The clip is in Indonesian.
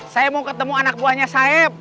saya mau ketemu anak buahnya saya